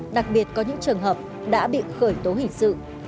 đặc biệt có những trường hợp đã bị khởi tố hình sự